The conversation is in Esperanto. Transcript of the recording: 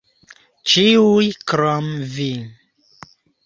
Ĉiuj krom Vi.